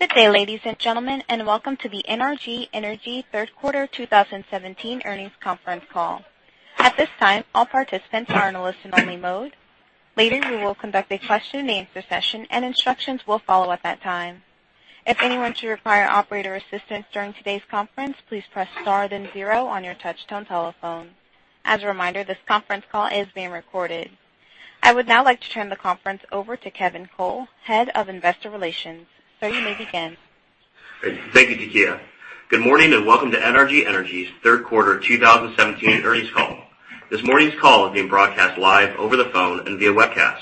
Good day, ladies and gentlemen, and welcome to the NRG Energy third quarter 2017 earnings conference call. At this time, all participants are in listen only mode. Later, we will conduct a question and answer session and instructions will follow at that time. If anyone should require operator assistance during today's conference, please press star then zero on your touch tone telephone. As a reminder, this conference call is being recorded. I would now like to turn the conference over to Kevin Cole, Head of Investor Relations. Sir, you may begin. Thank you, Takia. Good morning and welcome to NRG Energy's third quarter 2017 earnings call. This morning's call is being broadcast live over the phone and via webcast,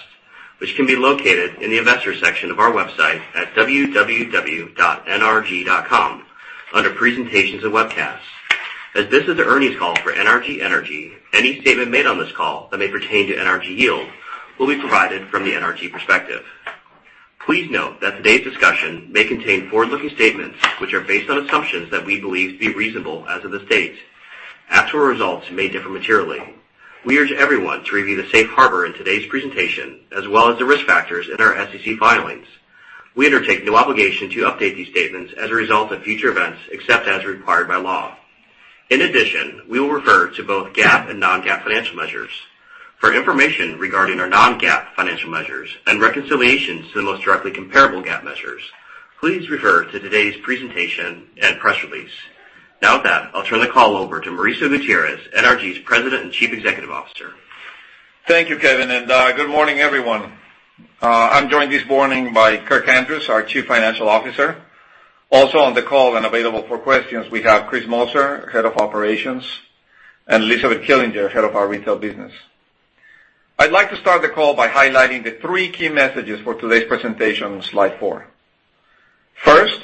which can be located in the investors section of our website at www.nrg.com under presentations and webcasts. As this is the earnings call for NRG Energy, any statement made on this call that may pertain to NRG Yield will be provided from the NRG perspective. Please note that today's discussion may contain forward-looking statements which are based on assumptions that we believe to be reasonable as of this date. Actual results may differ materially. We urge everyone to review the safe harbor in today's presentation, as well as the risk factors in our SEC filings. We undertake no obligation to update these statements as a result of future events except as required by law. In addition, we will refer to both GAAP and non-GAAP financial measures. For information regarding our non-GAAP financial measures and reconciliations to the most directly comparable GAAP measures, please refer to today's presentation and press release. With that, I'll turn the call over to Mauricio Gutierrez, NRG's President and Chief Executive Officer. Thank you, Kevin, and good morning, everyone. I'm joined this morning by Kirk Andrews, our Chief Financial Officer. Also on the call and available for questions, we have Chris Moser, Head of Operations, and Elizabeth Killinger, Head of our Retail Business. I'd like to start the call by highlighting the three key messages for today's presentation on slide four. First,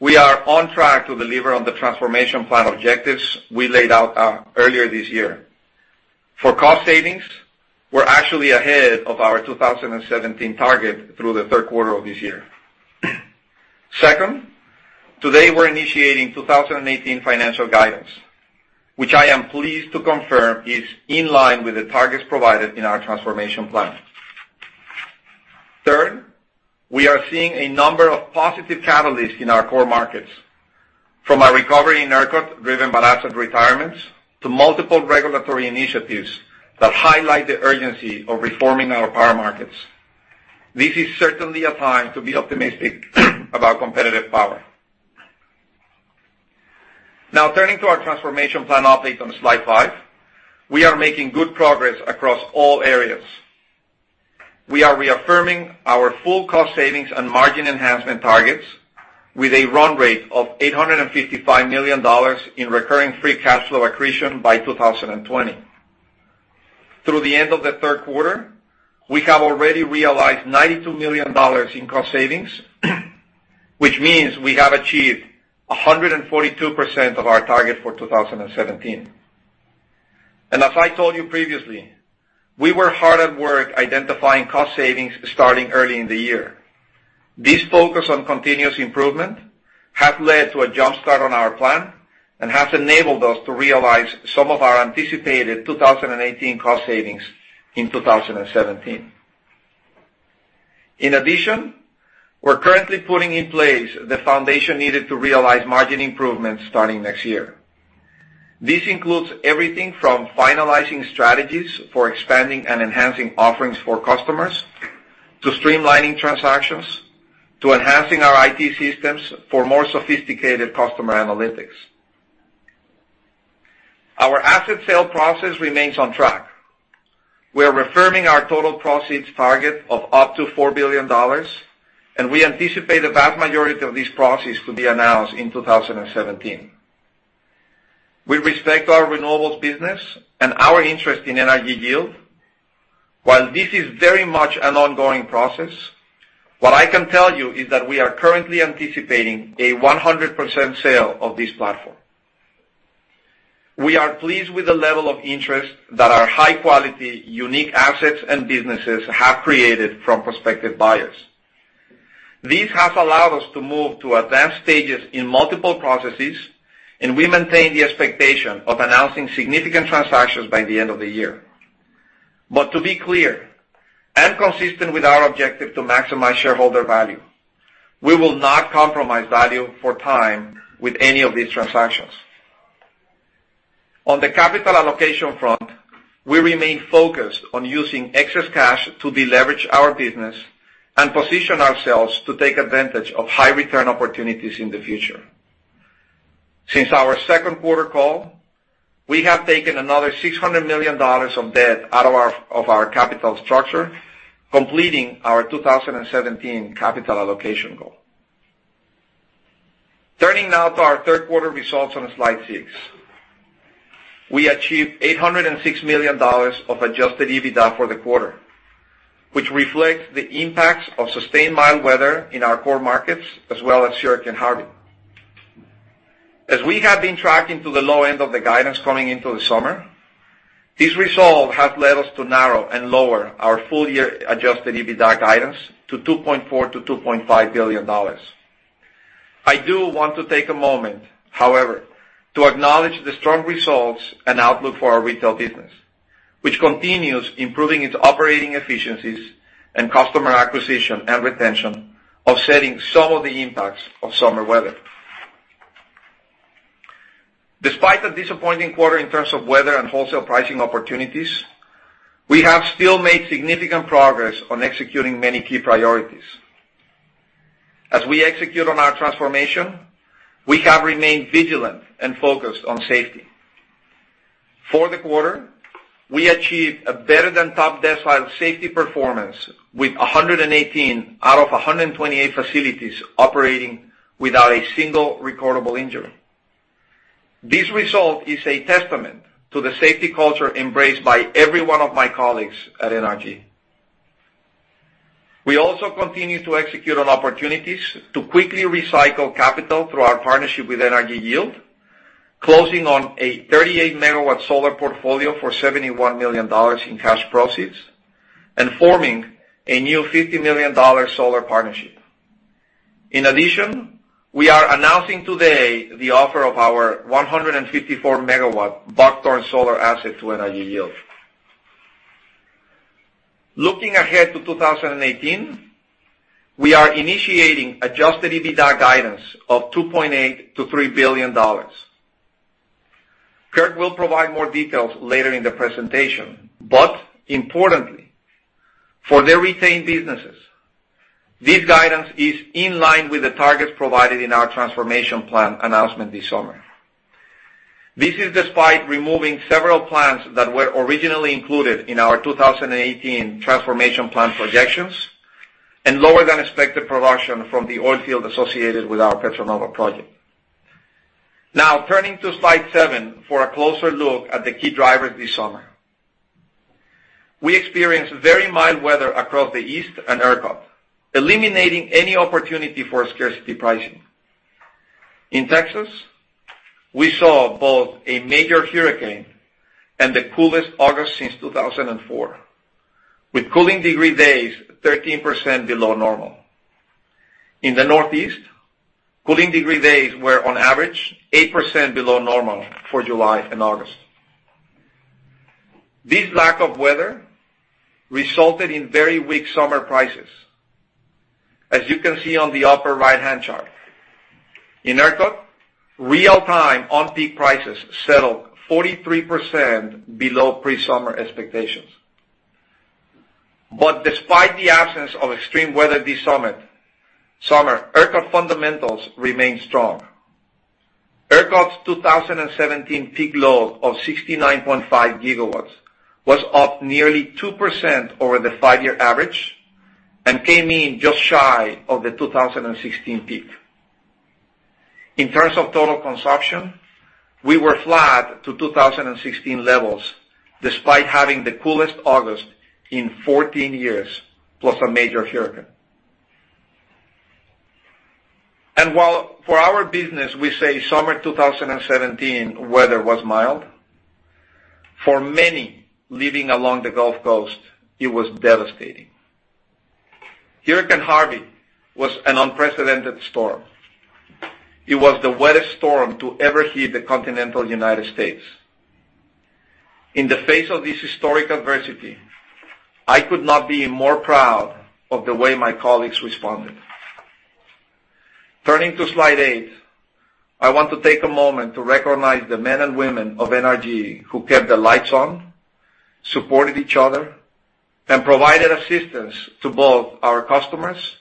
we are on track to deliver on the transformation plan objectives we laid out earlier this year. For cost savings, we're actually ahead of our 2017 target through the third quarter of this year. Second, today we're initiating 2018 financial guidance, which I am pleased to confirm is in line with the targets provided in our transformation plan. Third, we are seeing a number of positive catalysts in our core markets. From a recovery in ERCOT driven by asset retirements to multiple regulatory initiatives that highlight the urgency of reforming our power markets. This is certainly a time to be optimistic about competitive power. Turning to our transformation plan update on slide five. We are making good progress across all areas. We are reaffirming our full cost savings and margin enhancement targets with a run rate of $855 million in recurring free cash flow accretion by 2020. Through the end of the third quarter, we have already realized $92 million in cost savings, which means we have achieved 142% of our target for 2017. As I told you previously, we were hard at work identifying cost savings starting early in the year. This focus on continuous improvement has led to a jumpstart on our plan and has enabled us to realize some of our anticipated 2018 cost savings in 2017. In addition, we're currently putting in place the foundation needed to realize margin improvements starting next year. This includes everything from finalizing strategies for expanding and enhancing offerings for customers, to streamlining transactions, to enhancing our IT systems for more sophisticated customer analytics. Our asset sale process remains on track. We are reaffirming our total proceeds target of up to $4 billion, and we anticipate the vast majority of these proceeds to be announced in 2017. We respect our renewables business and our interest in NRG Yield. While this is very much an ongoing process, what I can tell you is that we are currently anticipating a 100% sale of this platform. We are pleased with the level of interest that our high-quality, unique assets and businesses have created from prospective buyers. This has allowed us to move to advanced stages in multiple processes, and we maintain the expectation of announcing significant transactions by the end of the year. To be clear and consistent with our objective to maximize shareholder value, we will not compromise value for time with any of these transactions. On the capital allocation front, we remain focused on using excess cash to deleverage our business and position ourselves to take advantage of high return opportunities in the future. Since our second quarter call, we have taken another $600 million of debt out of our capital structure, completing our 2017 capital allocation goal. Turning now to our third quarter results on slide six. We achieved $806 million of adjusted EBITDA for the quarter, which reflects the impacts of sustained mild weather in our core markets, as well as Hurricane Harvey. As we have been tracking to the low end of the guidance coming into the summer, this result has led us to narrow and lower our full-year adjusted EBITDA guidance to $2.4 billion-$2.5 billion. I do want to take a moment, however, to acknowledge the strong results and outlook for our retail business, which continues improving its operating efficiencies and customer acquisition and retention, offsetting some of the impacts of summer weather. Despite a disappointing quarter in terms of weather and wholesale pricing opportunities, we have still made significant progress on executing many key priorities. As we execute on our transformation, we have remained vigilant and focused on safety. For the quarter, we achieved a better-than-top-decile safety performance with 118 out of 128 facilities operating without a single recordable injury. This result is a testament to the safety culture embraced by every one of my colleagues at NRG. We also continue to execute on opportunities to quickly recycle capital through our partnership with NRG Yield, closing on a 38-megawatt solar portfolio for $71 million in cash proceeds, and forming a new $50 million solar partnership. In addition, we are announcing today the offer of our 154-megawatt Buckthorn solar asset to NRG Yield. Looking ahead to 2018, we are initiating adjusted EBITDA guidance of $2.8 billion-$3 billion. Kirk will provide more details later in the presentation, but importantly, for the retained businesses, this guidance is in line with the targets provided in our transformation plan announcement this summer. This is despite removing several plans that were originally included in our 2018 transformation plan projections, and lower than expected production from the oil field associated with our Petra Nova project. Turning to slide seven for a closer look at the key drivers this summer. We experienced very mild weather across the East and ERCOT, eliminating any opportunity for scarcity pricing. In Texas, we saw both a major hurricane and the coolest August since 2004, with cooling degree days 13% below normal. In the Northeast, cooling degree days were on average 8% below normal for July and August. This lack of weather resulted in very weak summer prices, as you can see on the upper right-hand chart. In ERCOT, real-time on-peak prices settled 43% below pre-summer expectations. Despite the absence of extreme weather this summer, ERCOT fundamentals remain strong. ERCOT's 2017 peak load of 69.5 gigawatts was up nearly 2% over the five-year average and came in just shy of the 2016 peak. In terms of total consumption, we were flat to 2016 levels, despite having the coolest August in 14 years, plus a major hurricane. While for our business, we say summer 2017 weather was mild, for many living along the Gulf Coast, it was devastating. Hurricane Harvey was an unprecedented storm. It was the wettest storm to ever hit the continental U.S. In the face of this historic adversity, I could not be more proud of the way my colleagues responded. Turning to slide eight, I want to take a moment to recognize the men and women of NRG who kept the lights on, supported each other, and provided assistance to both our customers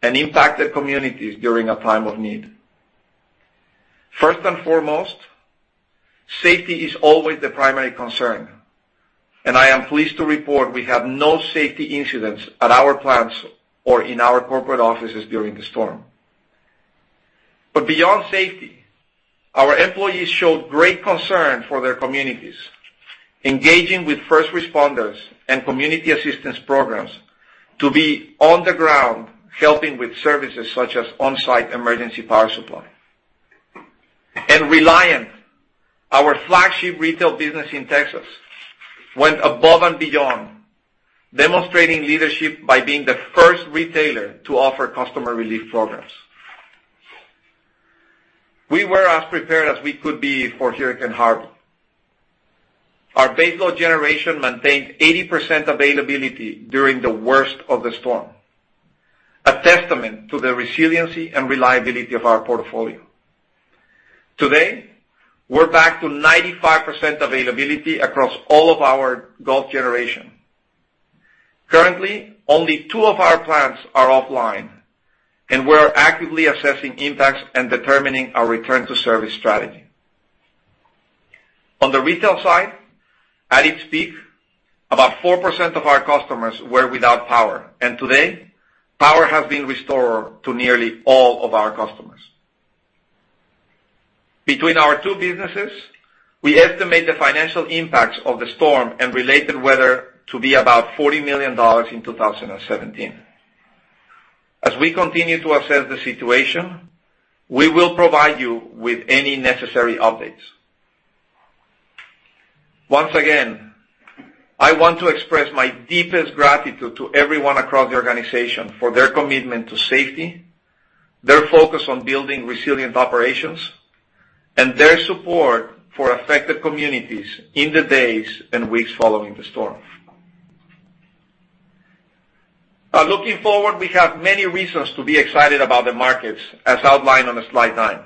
and impacted communities during a time of need. First and foremost, safety is always the primary concern, and I am pleased to report we have no safety incidents at our plants or in our corporate offices during the storm. Beyond safety, our employees showed great concern for their communities, engaging with first responders and community assistance programs to be on the ground, helping with services such as on-site emergency power supply. Reliant, our flagship retail business in Texas, went above and beyond, demonstrating leadership by being the first retailer to offer customer relief programs. We were as prepared as we could be for Hurricane Harvey. Our baseload generation maintained 80% availability during the worst of the storm, a testament to the resiliency and reliability of our portfolio. Today, we're back to 95% availability across all of our gulf generation. Currently, only two of our plants are offline, and we're actively assessing impacts and determining our return to service strategy. On the retail side, at its peak, about 4% of our customers were without power, and today, power has been restored to nearly all of our customers. Between our two businesses, we estimate the financial impacts of the storm and related weather to be about $40 million in 2017. As we continue to assess the situation, we will provide you with any necessary updates. Once again, I want to express my deepest gratitude to everyone across the organization for their commitment to safety, their focus on building resilient operations, and their support for affected communities in the days and weeks following the storm. Looking forward, we have many reasons to be excited about the markets, as outlined on slide nine.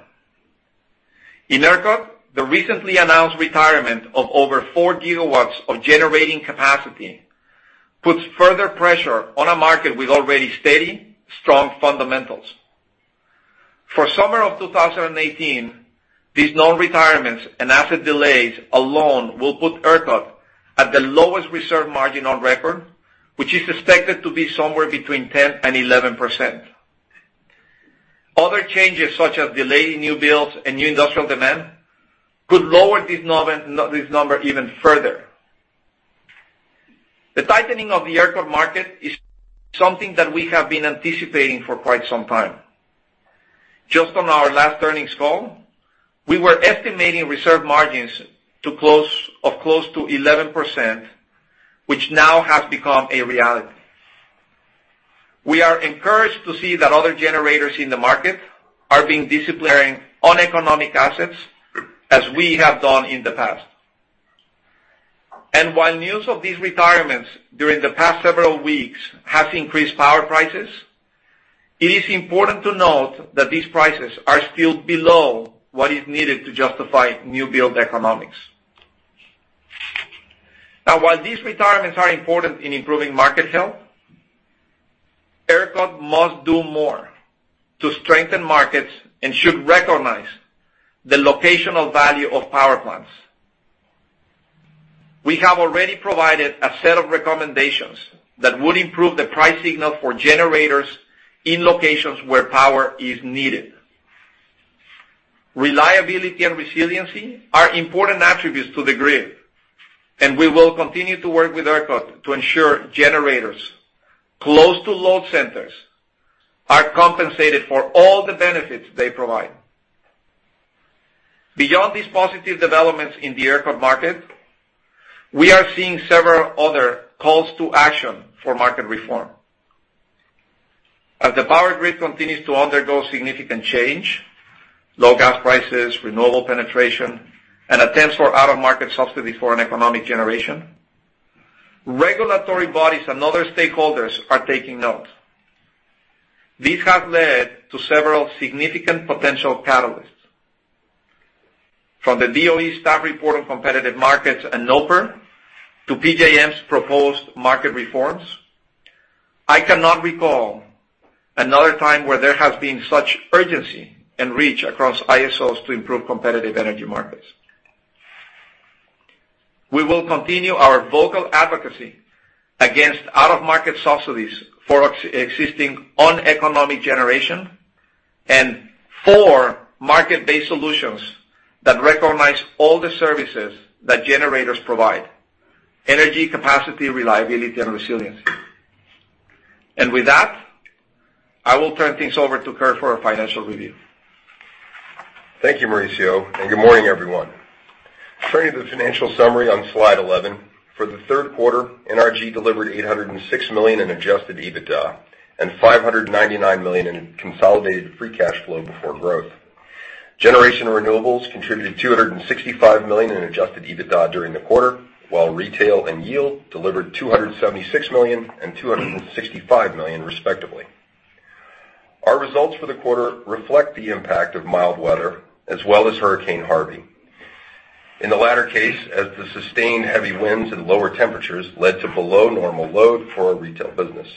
In ERCOT, the recently announced retirement of over four gigawatts of generating capacity puts further pressure on a market with already steady, strong fundamentals. For summer of 2018, these known retirements and asset delays alone will put ERCOT at the lowest reserve margin on record, which is expected to be somewhere between 10% and 11%. Other changes, such as delayed new builds and new industrial demand, could lower this number even further. The tightening of the ERCOT market is something that we have been anticipating for quite some time. Just on our last earnings call, we were estimating reserve margins of close to 11%, which now has become a reality. We are encouraged to see that other generators in the market are being disciplined on economic assets as we have done in the past. While news of these retirements during the past several weeks has increased power prices, it is important to note that these prices are still below what is needed to justify new build economics. Now, while these retirements are important in improving market health, ERCOT must do more to strengthen markets and should recognize the locational value of power plants. We have already provided a set of recommendations that would improve the price signal for generators in locations where power is needed. Reliability and resiliency are important attributes to the grid, and we will continue to work with ERCOT to ensure generators close to load centers are compensated for all the benefits they provide. Beyond these positive developments in the ERCOT market, we are seeing several other calls to action for market reform. As the power grid continues to undergo significant change, low gas prices, renewable penetration, and attempts for out-of-market subsidies for an economic generation, regulatory bodies and other stakeholders are taking note. This has led to several significant potential catalysts. From the DOE staff report on competitive markets and NOPR to PJM's proposed market reforms, I cannot recall another time where there has been such urgency and reach across ISOs to improve competitive energy markets. We will continue our vocal advocacy against out-of-market subsidies for existing uneconomic generation and for market-based solutions that recognize all the services that generators provide: energy capacity, reliability, and resiliency. With that, I will turn things over to Kirk for a financial review. Thank you, Mauricio, and good morning, everyone. Turning to the financial summary on slide 11. For the third quarter, NRG delivered $806 million in adjusted EBITDA and $599 million in consolidated free cash flow before growth. Generation renewables contributed $265 million in adjusted EBITDA during the quarter, while retail and yield delivered $276 million and $265 million, respectively. Our results for the quarter reflect the impact of mild weather as well as Hurricane Harvey. In the latter case, as the sustained heavy winds and lower temperatures led to below normal load for our retail business.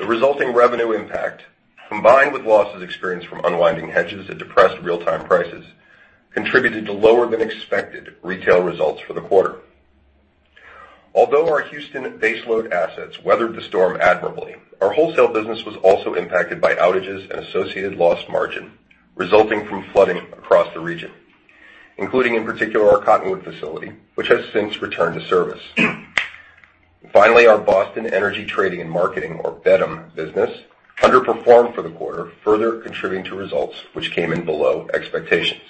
The resulting revenue impact, combined with losses experienced from unwinding hedges that depressed real-time prices, contributed to lower-than-expected retail results for the quarter. Although our Houston baseload assets weathered the storm admirably, our wholesale business was also impacted by outages and associated lost margin resulting from flooding across the region, including, in particular, our Cottonwood facility, which has since returned to service. Finally, our Boston Energy Trading and Marketing, or BETM business, underperformed for the quarter, further contributing to results which came in below expectations.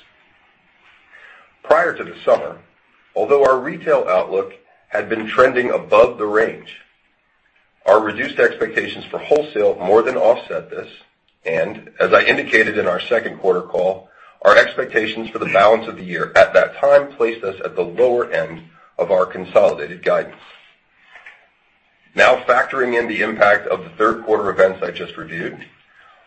As I indicated in our second quarter call, our expectations for the balance of the year at that time placed us at the lower end of our consolidated guidance. Now, factoring in the impact of the third quarter events I just reviewed,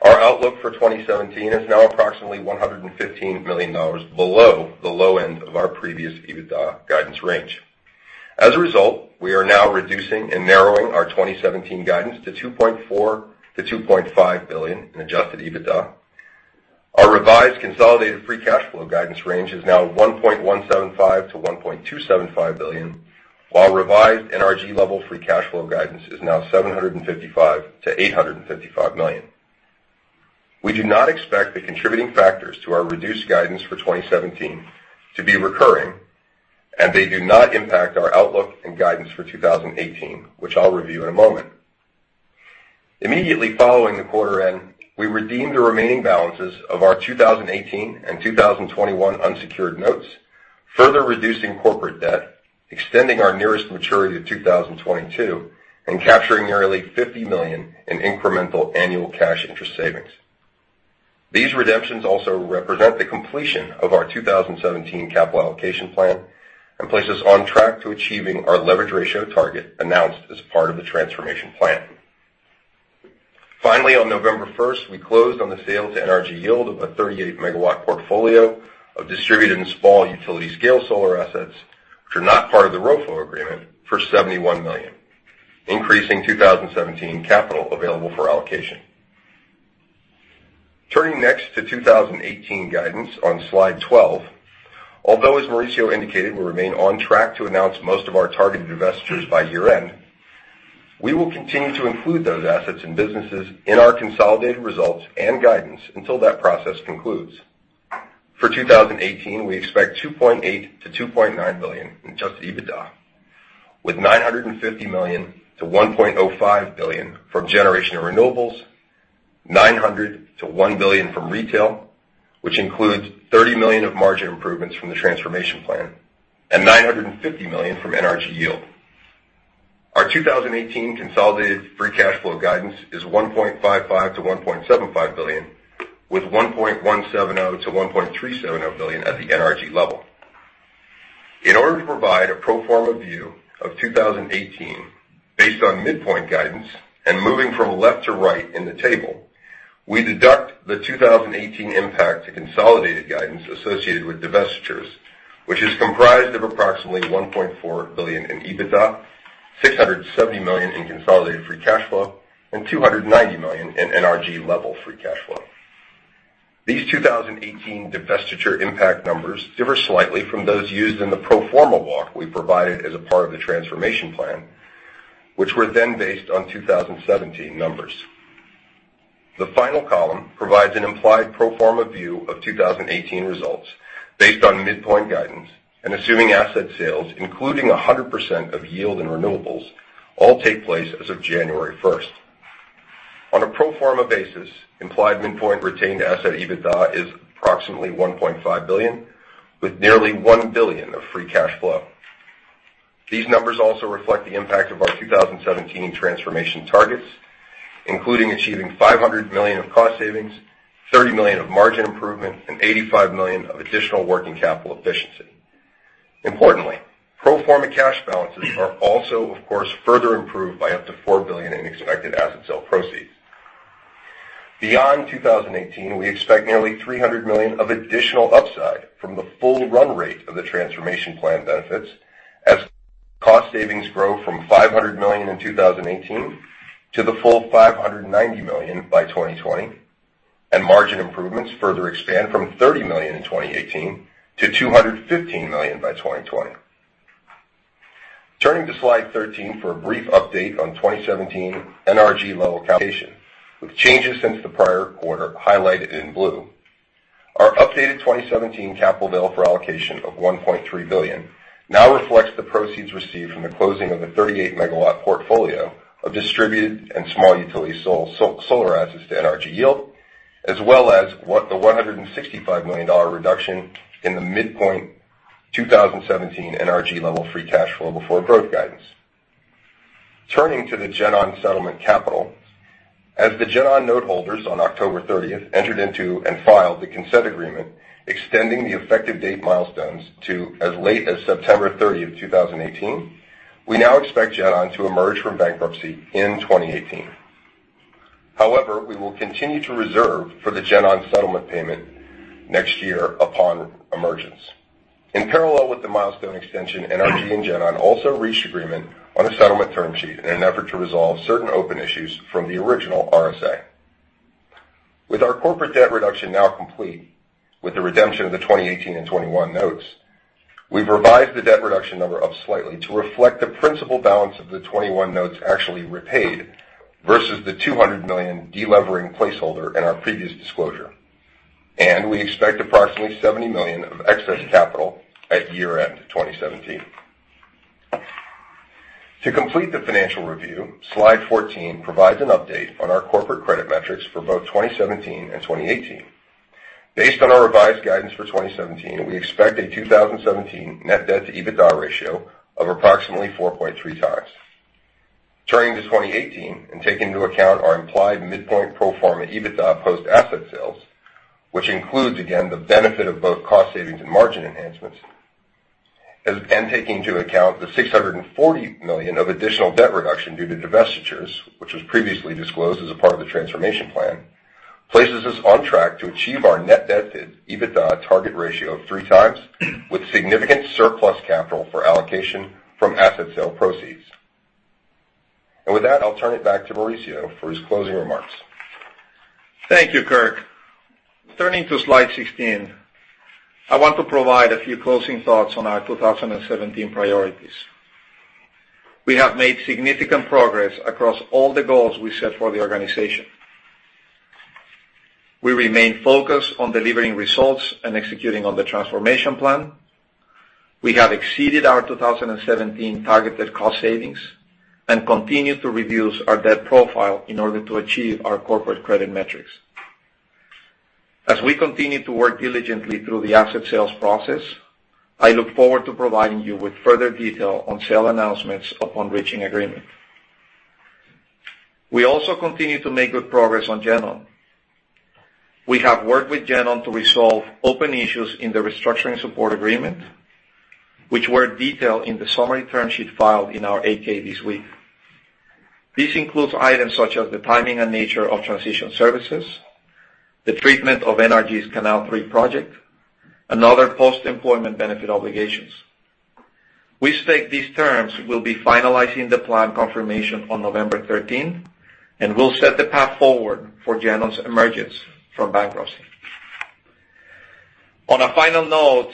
our outlook for 2017 is now approximately $115 million below the low end of our previous EBITDA guidance range. As a result, we are now reducing and narrowing our 2017 guidance to $2.4 billion-$2.5 billion in adjusted EBITDA. Our revised consolidated free cash flow guidance range is now $1.175 billion-$1.275 billion, while revised NRG level free cash flow guidance is now $755 million-$855 million. We do not expect the contributing factors to our reduced guidance for 2017 to be recurring, and they do not impact our outlook and guidance for 2018, which I'll review in a moment. Immediately following the quarter end, we redeemed the remaining balances of our 2018 and 2021 unsecured notes, further reducing corporate debt, extending our nearest maturity to 2022, and capturing nearly $50 million in incremental annual cash interest savings. These redemptions also represent the completion of our 2017 capital allocation plan and place us on track to achieving our leverage ratio target announced as part of the transformation plan. Finally, on November 1st, we closed on the sale to NRG Yield of a 38-megawatt portfolio of distributed and small utility scale solar assets, which are not part of the ROFO agreement for $71 million, increasing 2017 capital available for allocation. Turning next to 2018 guidance on slide 12. Although, as Mauricio indicated, we remain on track to announce most of our targeted divestitures by year-end. We will continue to include those assets and businesses in our consolidated results and guidance until that process concludes. For 2018, we expect $2.8 billion-$2.9 billion in adjusted EBITDA, with $950 million-$1.05 billion from generation and renewables, $900 million-$1 billion from retail, which includes $30 million of margin improvements from the transformation plan, and $950 million from NRG Yield. Our 2018 consolidated free cash flow guidance is $1.55 billion-$1.75 billion, with $1.170 billion-$1.370 billion at the NRG level. In order to provide a pro forma view of 2018, based on midpoint guidance and moving from left to right in the table, we deduct the 2018 impact to consolidated guidance associated with divestitures, which is comprised of approximately $1.4 billion in EBITDA, $670 million in consolidated free cash flow, and $290 million in NRG level free cash flow. These 2018 divestiture impact numbers differ slightly from those used in the pro forma walk we provided as a part of the transformation plan, which were then based on 2017 numbers. The final column provides an implied pro forma view of 2018 results based on midpoint guidance and assuming asset sales, including 100% of yield and renewables, all take place as of January 1st. On a pro forma basis, implied midpoint retained asset EBITDA is approximately $1.5 billion, with nearly $1 billion of free cash flow. These numbers also reflect the impact of our 2017 transformation targets, including achieving $500 million of cost savings, $30 million of margin improvement, and $85 million of additional working capital efficiency. Importantly, pro forma cash balances are also, of course, further improved by up to $4 billion in expected asset sale proceeds. Beyond 2018, we expect nearly $300 million of additional upside from the full run rate of the transformation plan benefits as cost savings grow from $500 million in 2018 to the full $590 million by 2020, and margin improvements further expand from $30 million in 2018 to $215 million by 2020. Turning to slide 13 for a brief update on 2017 NRG level allocation, with changes since the prior quarter highlighted in blue. Our updated 2017 capital available for allocation of $1.3 billion now reflects the proceeds received from the closing of the 38-megawatt portfolio of distributed and small utility solar assets to NRG Yield, as well as the $165 million reduction in the midpoint 2017 NRG level free cash flow before growth guidance. Turning to the GenOn settlement capital. As the GenOn note holders on October 30th entered into and filed the consent agreement, extending the effective date milestones to as late as September 30th, 2018. We now expect GenOn to emerge from bankruptcy in 2018. However, we will continue to reserve for the GenOn settlement payment next year upon emergence. In parallel with the milestone extension, NRG and GenOn also reached agreement on a settlement term sheet in an effort to resolve certain open issues from the original RSA. With our corporate debt reduction now complete with the redemption of the 2018 and '21 notes, we've revised the debt reduction number up slightly to reflect the principal balance of the '21 notes actually repaid versus the $200 million delevering placeholder in our previous disclosure. We expect approximately $70 million of excess capital at year-end 2017. To complete the financial review, slide 14 provides an update on our corporate credit metrics for both 2017 and 2018. Based on our revised guidance for 2017, we expect a 2017 net debt to EBITDA ratio of approximately 4.3 times. Turning to 2018 and take into account our implied midpoint pro forma EBITDA post-asset sales, which includes, again, the benefit of both cost savings and margin enhancements. Taking into account the $640 million of additional debt reduction due to divestitures, which was previously disclosed as a part of the transformation plan, places us on track to achieve our net debt to EBITDA target ratio of 3 times with significant surplus capital for allocation from asset sale proceeds. With that, I'll turn it back to Mauricio for his closing remarks. Thank you, Kirk. Turning to slide 16, I want to provide a few closing thoughts on our 2017 priorities. We have made significant progress across all the goals we set for the organization. We remain focused on delivering results and executing on the transformation plan. We have exceeded our 2017 targeted cost savings and continue to reduce our debt profile in order to achieve our corporate credit metrics. As we continue to work diligently through the asset sales process, I look forward to providing you with further detail on sale announcements upon reaching agreement. We also continue to make good progress on GenOn. We have worked with GenOn to resolve open issues in the restructuring support agreement, which were detailed in the summary term sheet filed in our 8-K this week. This includes items such as the timing and nature of transition services, the treatment of NRG's Canal 3 project, and other post-employment benefit obligations. We expect these terms will be finalizing the plan confirmation on November 13 and will set the path forward for GenOn's emergence from bankruptcy. On a final note,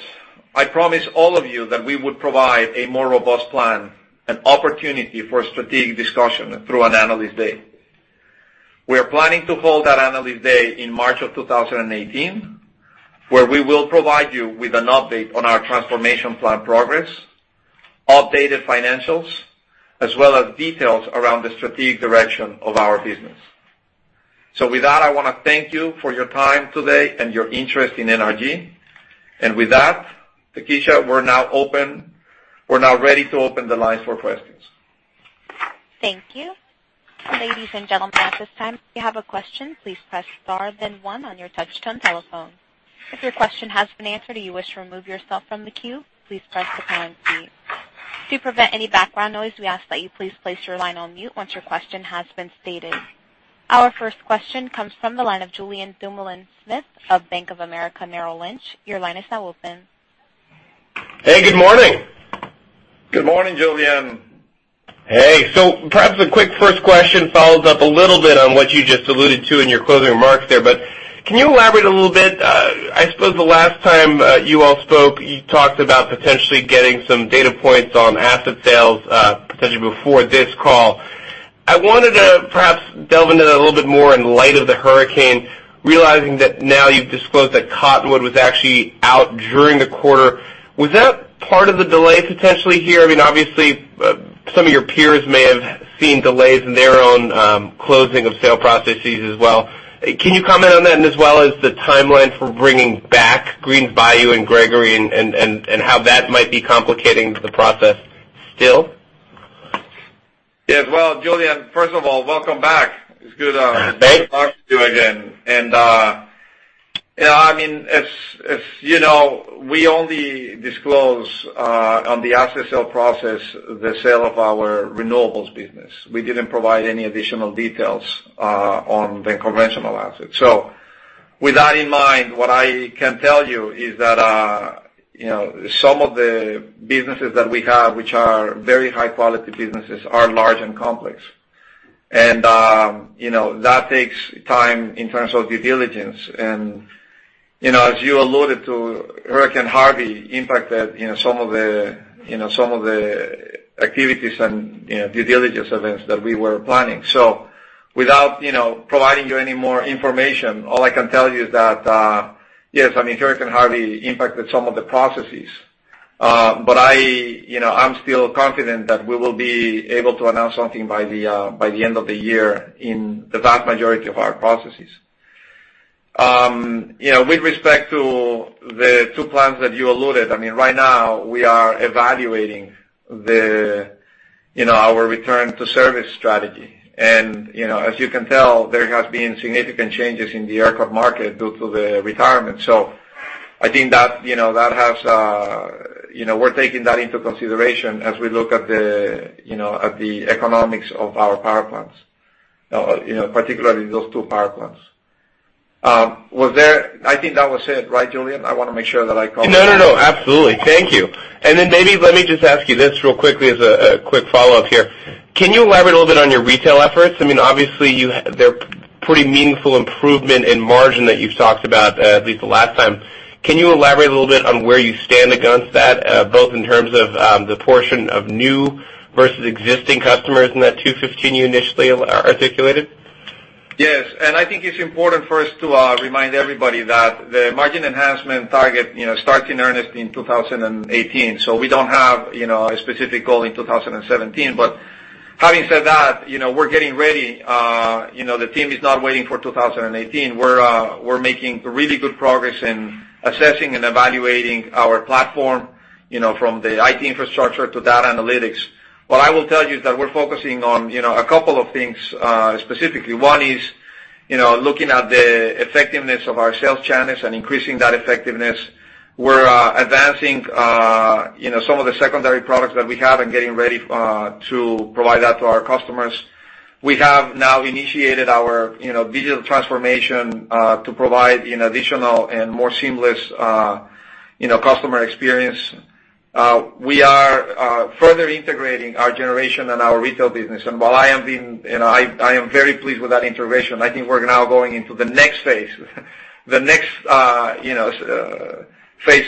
I promised all of you that we would provide a more robust plan and opportunity for strategic discussion through an analyst day. We are planning to hold that analyst day in March of 2018, where we will provide you with an update on our transformation plan progress, updated financials, as well as details around the strategic direction of our business. With that, I want to thank you for your time today and your interest in NRG. With that, Takisha, we're now ready to open the lines for questions. Thank you. Ladies and gentlemen, at this time, if you have a question, please press star then one on your touch-tone telephone. If your question has been answered or you wish to remove yourself from the queue, please press the pound key. To prevent any background noise, we ask that you please place your line on mute once your question has been stated. Our first question comes from the line of Julien Dumoulin-Smith of Bank of America Merrill Lynch. Your line is now open. Hey, good morning. Good morning, Julien. Hey. Perhaps a quick first question follows up a little bit on what you just alluded to in your closing remarks there, can you elaborate a little bit? I suppose the last time you all spoke, you talked about potentially getting some data points on asset sales, potentially before this call. I wanted to perhaps delve into that a little bit more in light of the hurricane, realizing that now you've disclosed that Cottonwood was actually out during the quarter. Was that part of the delay potentially here? Obviously, some of your peers may have seen delays in their own closing of sale processes as well. Can you comment on that and as well as the timeline for bringing back Greens Bayou and Gregory and how that might be complicating the process still? Yes. Well, Julien, first of all, welcome back. Thanks to talk to you again. As you know, we only disclose on the asset sale process the sale of our renewables business. We didn't provide any additional details on the conventional assets. With that in mind, what I can tell you is that some of the businesses that we have, which are very high-quality businesses, are large and complex. That takes time in terms of due diligence. As you alluded to, Hurricane Harvey impacted some of the activities and due diligence events that we were planning. Without providing you any more information, all I can tell you is that, yes, Hurricane Harvey impacted some of the processes. I'm still confident that we will be able to announce something by the end of the year in the vast majority of our processes. With respect to the two plans that you alluded, right now we are evaluating our return to service strategy. As you can tell, there has been significant changes in the ERCOT market due to the retirement. I think we're taking that into consideration as we look at the economics of our power plants, particularly those two power plants. I think that was it, right, Julien? I want to make sure that I covered- No, no. Absolutely. Thank you. Maybe let me just ask you this real quickly as a quick follow-up here. Can you elaborate a little bit on your retail efforts? Obviously, they're pretty meaningful improvement in margin that you've talked about, at least the last time. Can you elaborate a little bit on where you stand against that, both in terms of the portion of new versus existing customers in that 215 you initially articulated? Yes. I think it's important for us to remind everybody that the margin enhancement target starts in earnest in 2018. We don't have a specific goal in 2017. Having said that, we're getting ready. The team is not waiting for 2018. We're making really good progress in assessing and evaluating our platform, from the IT infrastructure to data analytics. What I will tell you is that we're focusing on a couple of things, specifically. One is looking at the effectiveness of our sales channels and increasing that effectiveness. We're advancing some of the secondary products that we have and getting ready to provide that to our customers. We have now initiated our digital transformation to provide an additional and more seamless customer experience. We are further integrating our generation and our retail business. While I am very pleased with that integration, I think we're now going into the next phase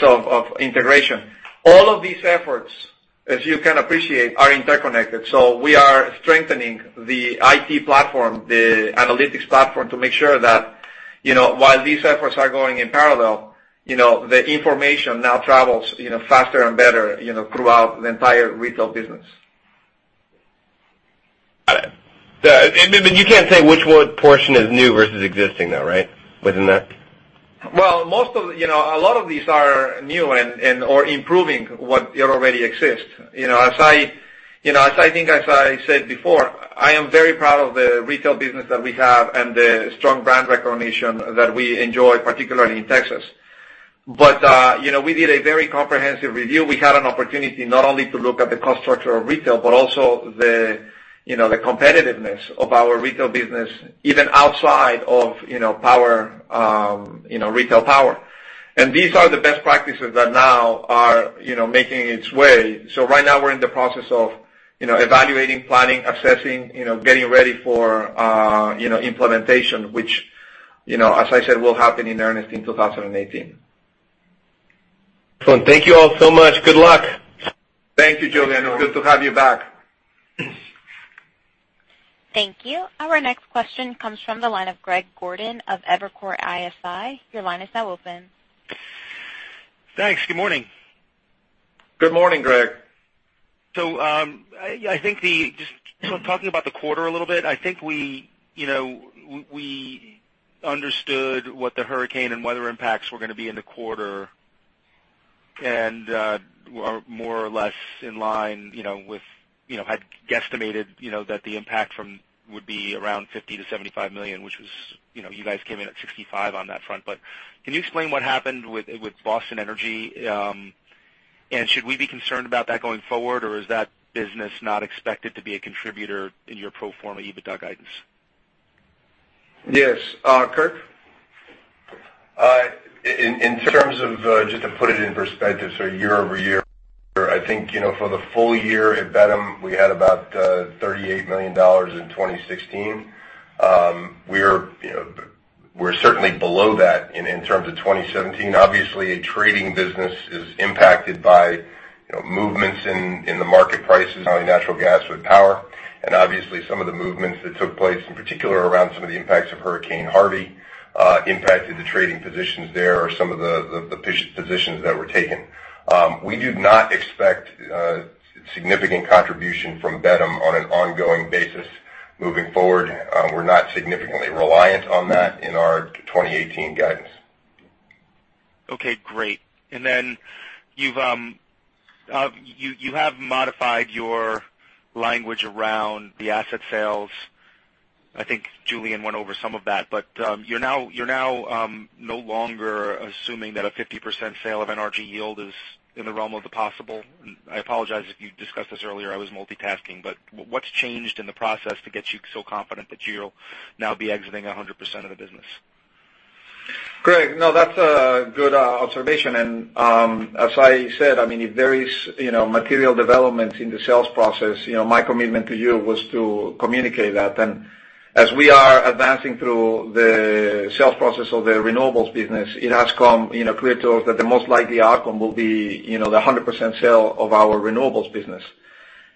of integration. All of these efforts, as you can appreciate, are interconnected. We are strengthening the IT platform, the analytics platform, to make sure that while these efforts are going in parallel, the information now travels faster and better throughout the entire retail business. Got it. You can't say which portion is new versus existing though, right? Within that? Well, a lot of these are new or improving what already exists. I think as I said before, I am very proud of the retail business that we have and the strong brand recognition that we enjoy, particularly in Texas. We did a very comprehensive review. We had an opportunity not only to look at the cost structure of retail, but also the competitiveness of our retail business, even outside of retail power. These are the best practices that now are making its way. Right now we're in the process of evaluating, planning, assessing, getting ready for implementation, which, as I said, will happen in earnest in 2018. Excellent. Thank you all so much. Good luck. Thank you, Julien. Good to have you back. Thank you. Our next question comes from the line of Greg Gordon of Evercore ISI. Your line is now open. Thanks. Good morning. Good morning, Greg. Talking about the quarter a little bit, I think we understood what the hurricane and weather impacts were going to be in the quarter, and more or less in line with, had guesstimated that the impact would be around $50 million-$75 million, which you guys came in at $65 million on that front. Can you explain what happened with Boston Energy, and should we be concerned about that going forward, or is that business not expected to be a contributor in your pro forma EBITDA guidance? Yes. Kirk? In terms of, just to put it in perspective, year-over-year, I think, for the full year at BETM, we had about $38 million in 2016. We're certainly below that in terms of 2017. Obviously, a trading business is impacted by movements in the market prices on natural gas with power. Obviously, some of the movements that took place in particular around some of the impacts of Hurricane Harvey impacted the trading positions there or some of the positions that were taken. We do not expect significant contribution from BETM on an ongoing basis moving forward. We're not significantly reliant on that in our 2018 guidance. Okay, great. You have modified your language around the asset sales. I think Julien went over some of that, you're now no longer assuming that a 50% sale of NRG Yield is in the realm of the possible. I apologize if you discussed this earlier. I was multitasking. What's changed in the process to get you so confident that you'll now be exiting 100% of the business? Greg, no, that's a good observation. As I said, if there is material developments in the sales process, my commitment to you was to communicate that. As we are advancing through the sales process of the renewables business, it has come clear to us that the most likely outcome will be the 100% sale of our renewables business.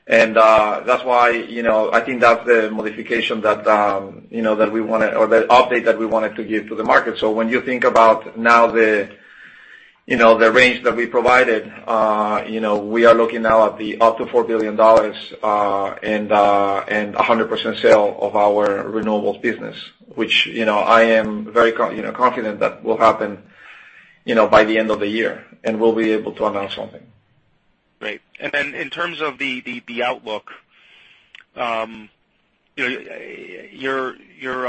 That's why I think that's the modification or the update that we wanted to give to the market. When you think about now the range that we provided, we are looking now at the up to $4 billion and 100% sale of our renewables business, which I am very confident that will happen by the end of the year, and we'll be able to announce something. Great. Then in terms of the outlook, you're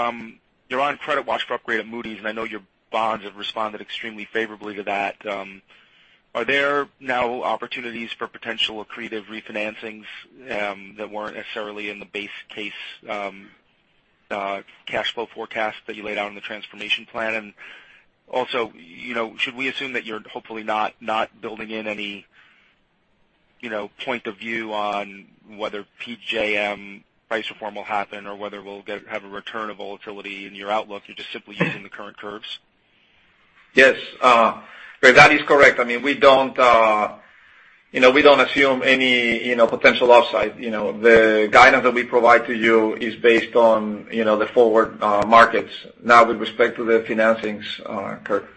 on credit watch for upgrade at Moody's, I know your bonds have responded extremely favorably to that. Are there now opportunities for potential accretive refinancings that weren't necessarily in the base case cash flow forecast that you laid out in the transformation plan? Also, should we assume that you're hopefully not building in any point of view on whether PJM price reform will happen or whether we'll have a return of volatility in your outlook? You're just simply using the current curves? Yes. Greg, that is correct. We don't assume any potential upside. The guidance that we provide to you is based on the forward markets. Now with respect to the financings, Kirk?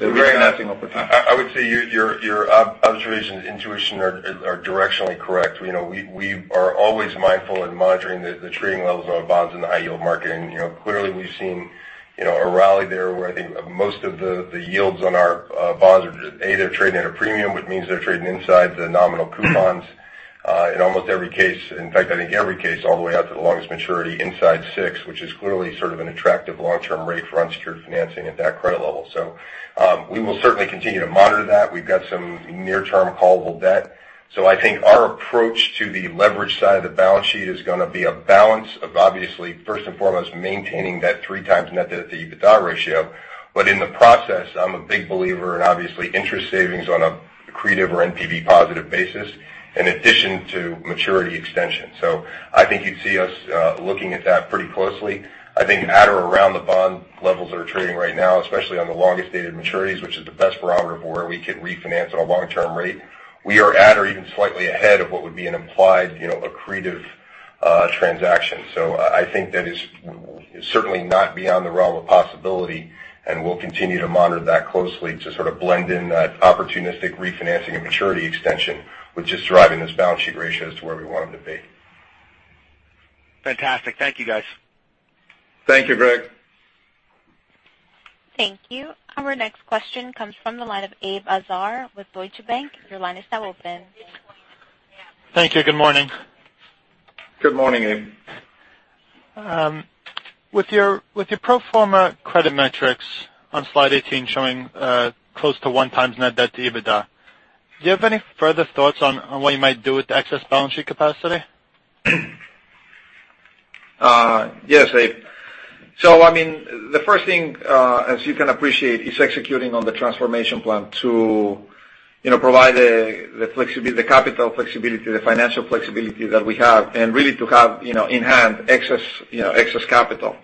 I would say your observation and intuition are directionally correct. We are always mindful in monitoring the trading levels on our bonds in the high yield market. Clearly we've seen a rally there where I think most of the yields on our bonds are either trading at a premium, which means they're trading inside the nominal coupons in almost every case. In fact, I think every case all the way out to the longest maturity inside six, which is clearly sort of an attractive long-term rate for unsecured financing at that credit level. We will certainly continue to monitor that. We've got some near-term callable debt. I think our approach to the leverage side of the balance sheet is going to be a balance of obviously, first and foremost, maintaining that three times net debt to EBITDA ratio. In the process, I'm a big believer in obviously interest savings on an accretive or NPV positive basis, in addition to maturity extension. I think you'd see us looking at that pretty closely. I think at or around the bond levels that are trading right now, especially on the longest dated maturities, which is the best barometer for where we could refinance at a long-term rate. We are at or even slightly ahead of what would be an implied accretive transaction. I think that is certainly not beyond the realm of possibility, and we'll continue to monitor that closely to sort of blend in that opportunistic refinancing and maturity extension, which is driving this balance sheet ratio as to where we want them to be. Fantastic. Thank you, guys. Thank you, Greg. Thank you. Our next question comes from the line of Abe Azar with Deutsche Bank. Your line is now open. Thank you. Good morning. Good morning, Abe. With your pro forma credit metrics on slide 18 showing close to one times net debt to EBITDA, do you have any further thoughts on what you might do with the excess balance sheet capacity? Yes, Abe. The first thing, as you can appreciate, is executing on the transformation plan to provide the capital flexibility, the financial flexibility that we have, and really to have in hand excess capital.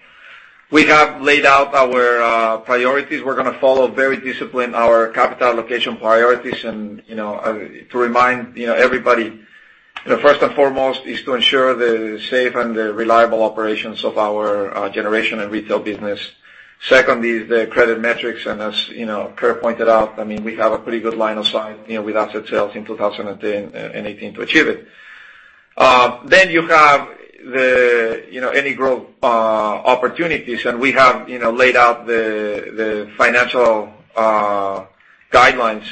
We have laid out our priorities. We're going to follow very disciplined, our capital allocation priorities. To remind everybody, first and foremost is to ensure the safe and the reliable operations of our generation and retail business. Second is the credit metrics, and as Kirk pointed out, we have a pretty good line of sight with asset sales in 2010 and 2018 to achieve it. Then you have any growth opportunities, and we have laid out the financial guidelines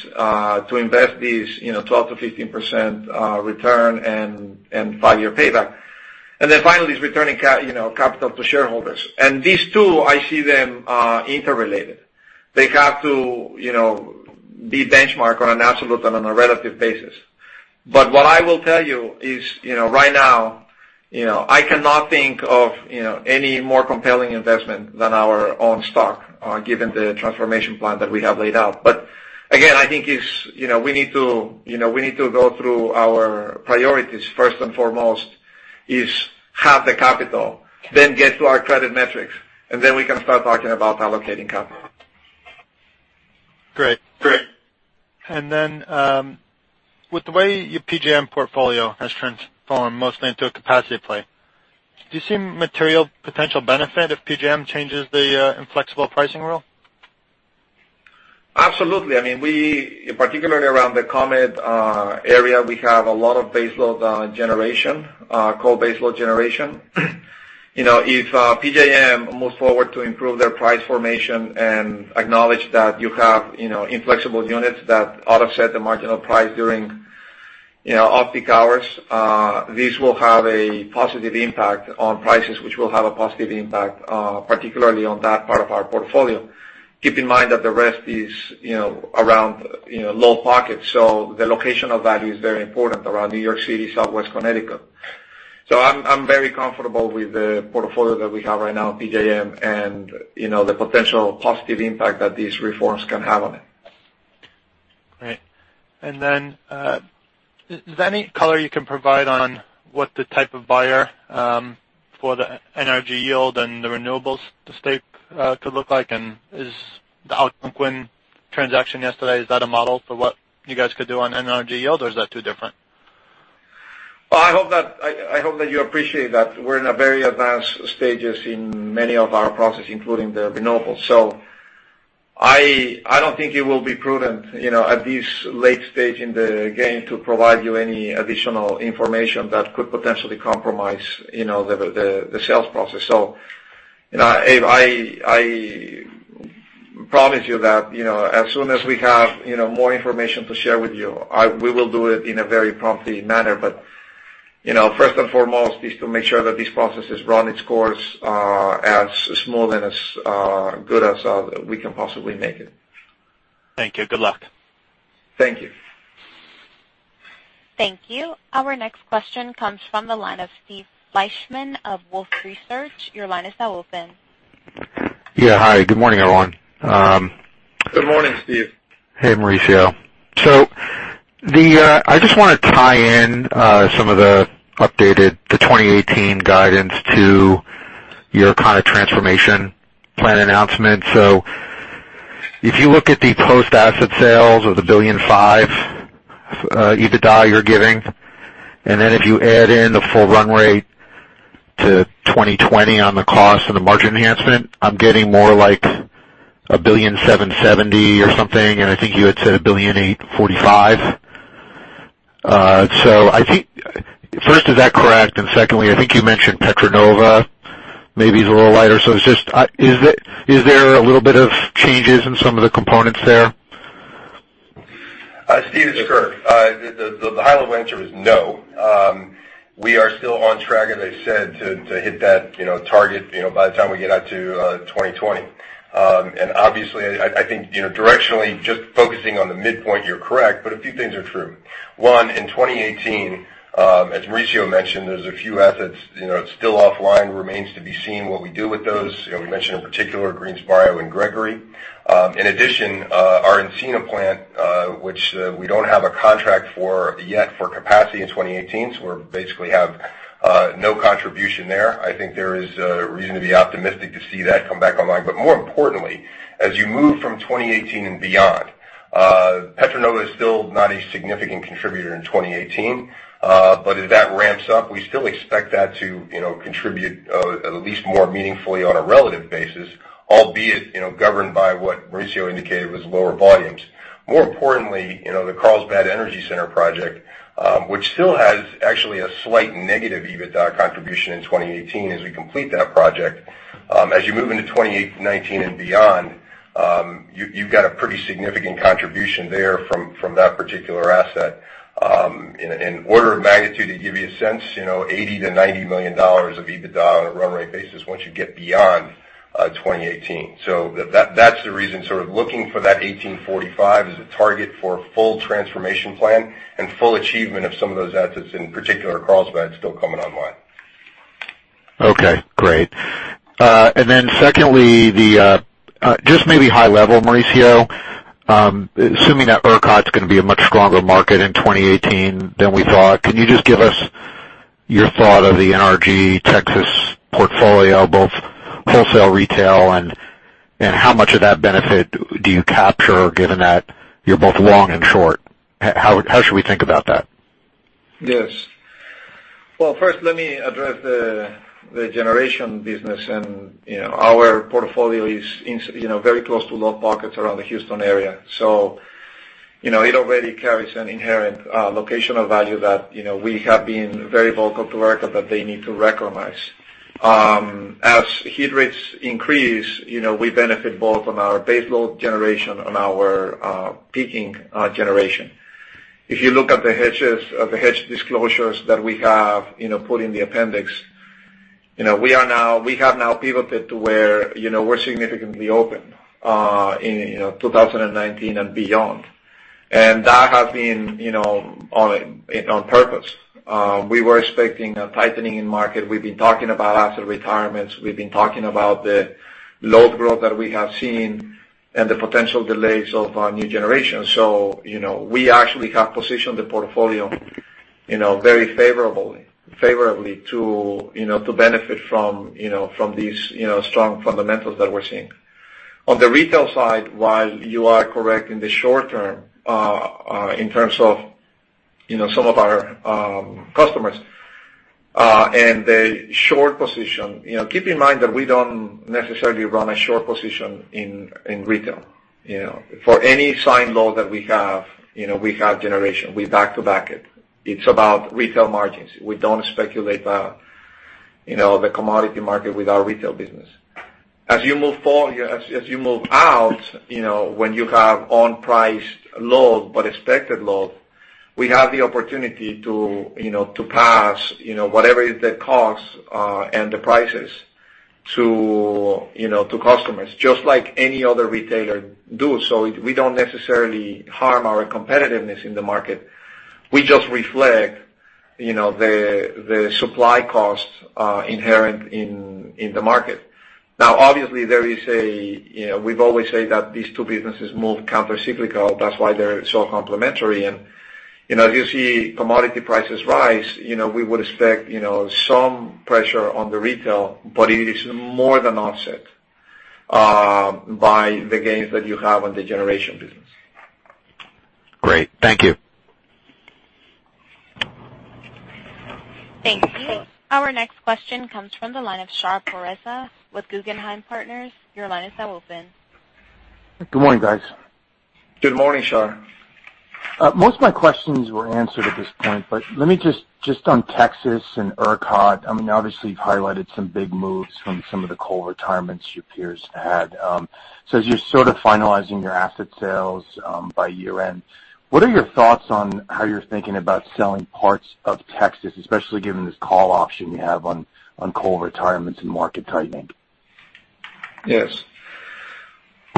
to invest these 12%-15% return and five-year payback. Finally, is returning capital to shareholders. These two, I see them interrelated. They have to be benchmarked on an absolute and on a relative basis. What I will tell you is right now, I cannot think of any more compelling investment than our own stock, given the transformation plan that we have laid out. Again, I think we need to go through our priorities. First and foremost is, have the capital, then get to our credit metrics, and then we can start talking about allocating capital. Great. Great. With the way your PJM portfolio has transformed mostly into a capacity play, do you see material potential benefit if PJM changes the inflexible pricing rule? Absolutely. Particularly around the ComEd area, we have a lot of baseload generation, coal baseload generation. If PJM moves forward to improve their price formation and acknowledge that you have inflexible units that offset the marginal price during off-peak hours, this will have a positive impact on prices, which will have a positive impact particularly on that part of our portfolio. Keep in mind that the rest is around load pockets. The location of that is very important around New York City, Southwest Connecticut. I'm very comfortable with the portfolio that we have right now at PJM and the potential positive impact that these reforms can have on it. Great. Is there any color you can provide on what the type of buyer for the NRG Yield and the renewables stake could look like? Is the Algonquin transaction yesterday, is that a model for what you guys could do on NRG Yield, or is that too different? Well, I hope that you appreciate that we're in a very advanced stages in many of our processes, including the renewables. I don't think it will be prudent at this late stage in the game to provide you any additional information that could potentially compromise the sales process. Abe, I promise you that as soon as we have more information to share with you, we will do it in a very promptly manner. First and foremost is to make sure that this process has run its course as smooth and as good as we can possibly make it. Thank you. Good luck. Thank you. Thank you. Our next question comes from the line of Steve Fleishman of Wolfe Research. Your line is now open. Yeah, hi. Good morning, everyone. Good morning, Steve. Hey, Mauricio. I just want to tie in some of the updated, the 2018 guidance to your kind of transformation plan announcement. If you look at the post-asset sales of the $1.5 billion EBITDA you're giving, and then if you add in the full run rate to 2020 on the cost and the margin enhancement, I'm getting more like $1.77 billion or something, I think you had said $1.845 billion. First, is that correct? Secondly, I think you mentioned Petra Nova maybe is a little lighter. Is there a little bit of changes in some of the components there? Steve, it's Kirk. The high-level answer is no. We are still on track, as I said, to hit that target by the time we get out to 2020. Obviously, I think directionally, just focusing on the midpoint, you're correct. A few things are true. One, in 2018, as Mauricio mentioned, there's a few assets, it's still offline, remains to be seen what we do with those. We mentioned in particular Greens Bayou and Gregory. In addition, our Encina plant, which we don't have a contract for yet for capacity in 2018, so we basically have no contribution there. I think there is reason to be optimistic to see that come back online. More importantly, as you move from 2018 and beyond Petra Nova is still not a significant contributor in 2018. As that ramps up, we still expect that to contribute at least more meaningfully on a relative basis, albeit, governed by what Mauricio indicated was lower volumes. More importantly, the Carlsbad Energy Center project, which still has actually a slight negative EBITDA contribution in 2018 as we complete that project. As you move into 2019 and beyond, you've got a pretty significant contribution there from that particular asset. In order of magnitude, to give you a sense, $80 million to $90 million of EBITDA on a run rate basis once you get beyond 2018. That's the reason, sort of looking for that 18.45 as a target for a full transformation plan and full achievement of some of those assets, in particular, Carlsbad still coming online. Okay, great. Secondly, just maybe high level, Mauricio, assuming that ERCOT's going to be a much stronger market in 2018 than we thought, can you just give us your thought of the NRG Texas portfolio, both wholesale, retail, and how much of that benefit do you capture, given that you're both long and short? How should we think about that? Yes. Well, first, let me address the generation business and our portfolio is very close to load pockets around the Houston area. It already carries an inherent locational value that we have been very vocal to ERCOT that they need to recognize. As heat rates increase, we benefit both on our baseload generation and our peaking generation. If you look at the hedge disclosures that we have put in the appendix, we have now pivoted to where we're significantly open in 2019 and beyond. That has been on purpose. We were expecting a tightening in market. We've been talking about asset retirements. We've been talking about the load growth that we have seen and the potential delays of our new generation. We actually have positioned the portfolio very favorably to benefit from these strong fundamentals that we're seeing. On the retail side, while you are correct in the short term, in terms of some of our customers, and the short position, keep in mind that we don't necessarily run a short position in retail. For any signed load that we have, we have generation. We back-to-back it. It's about retail margins. We don't speculate the commodity market with our retail business. As you move out, when you have unpriced load, but expected load, we have the opportunity to pass whatever the cost and the prices to customers, just like any other retailer does. We don't necessarily harm our competitiveness in the market. We just reflect the supply costs inherent in the market. Obviously, we've always said that these two businesses move countercyclical. That's why they're so complementary. As you see commodity prices rise, we would expect some pressure on the retail, but it is more than offset by the gains that you have on the generation business. Great. Thank you. Thank you. Our next question comes from the line of Shahriar Pourreza with Guggenheim Partners. Your line is now open. Good morning, guys. Good morning, Shar. Most of my questions were answered at this point, but let me just on Texas and ERCOT, obviously you've highlighted some big moves from some of the coal retirements your peers had. As you're sort of finalizing your asset sales by year-end, what are your thoughts on how you're thinking about selling parts of Texas, especially given this call option you have on coal retirements and market tightening? Yes.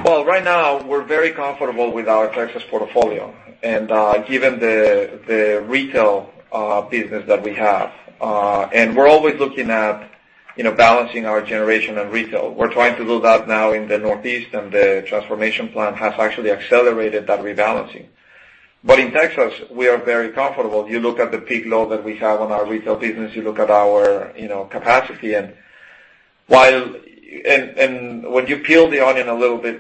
Well, right now, we're very comfortable with our Texas portfolio and given the retail business that we have. We're always looking at balancing our generation and retail. We're trying to do that now in the Northeast, the transformation plan has actually accelerated that rebalancing. In Texas, we are very comfortable. You look at the peak load that we have on our retail business, you look at our capacity. When you peel the onion a little bit,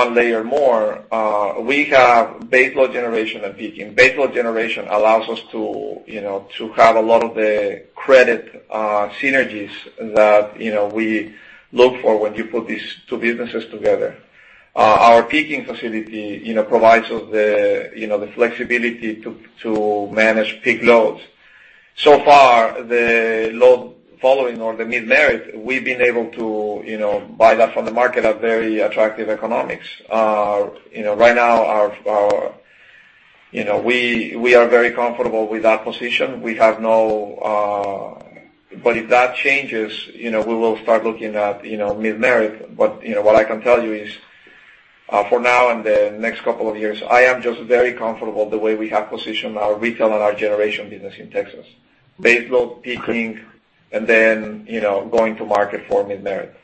one layer more, we have baseload generation and peaking. Baseload generation allows us to have a lot of the credit synergies that we look for when you put these two businesses together. Our peaking facility provides us the flexibility to manage peak loads. So far, the load following or the mid-merit, we've been able to buy that from the market at very attractive economics. Right now, we are very comfortable with that position. If that changes, we will start looking at mid-merit. What I can tell you is, for now and the next couple of years, I am just very comfortable the way we have positioned our retail and our generation business in Texas. Baseload peaking, then going to market for mid-merit.